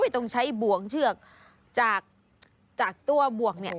ต้องใช้บ่วงเชือกจากตัวบวกเนี่ย